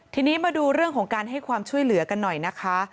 ทีนี้มาดูเรื่องของการให้ความช่วยเหลือกันหน่อยนะคะ